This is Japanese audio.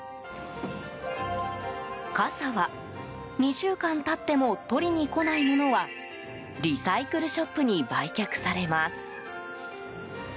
傘は、２週間経っても取りに来ないものはリサイクルショップに売却されます。